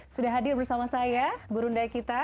sudah hadir bersama saya guru undai kita